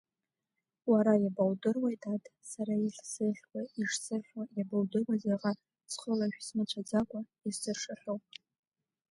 Уара иабоудыруеи, дад, сара иахьсыхьуа, ишсыхьуа, иабоудыруеи заҟа ҵхылашәсмыцәаӡакәа исыршахьоу.